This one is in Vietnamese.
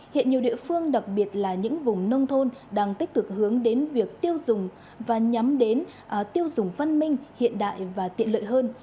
hiện nhiều địa phương đặc biệt là những vùng nông thôn đang tích cực hướng đến việc tiêu dùng và nhắm đến tiêu dùng văn minh hiện đại và tiện lợi hơn